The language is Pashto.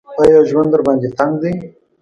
ایا ژوند درباندې تنګ دی ؟